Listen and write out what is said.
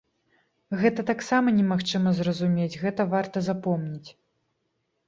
Гэта таксама немагчыма зразумець, гэта варта запомніць.